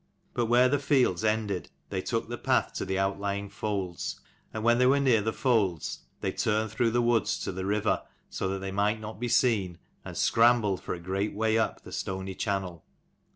But where the fields ended, they took the path to the outlying folds : and when they were near the folds, they turned through the woods to the river, so that they might not be seen, and scrambled for a great way up the stony channel.